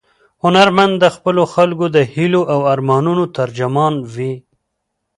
هنرمند د خپلو خلکو د هیلو او ارمانونو ترجمان وي.